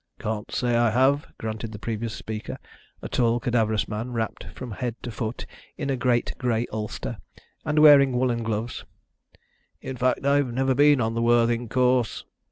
"Can't say I have," grunted the previous speaker, a tall cadaverous man, wrapped from head to foot in a great grey ulster, and wearing woollen gloves. "In fact, I've never been on the Worthing course."